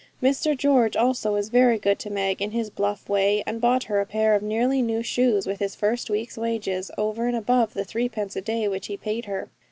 Mr George also was very good to Meg in his bluff way, and bought her a pair of nearly new shoes with his first week's wages, over and above the threepence a day which he paid her.